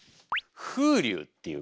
「風流」っていう